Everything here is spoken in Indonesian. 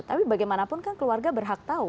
tapi bagaimanapun kan keluarga berhak tahu